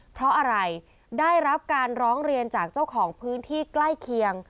เพราะอะไรได้รับการร้องเรียนจากเจ้าของพื้นที่ใกล้เคียง